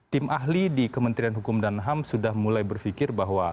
tim ahli di kementerian hukum dan ham sudah mulai berpikir bahwa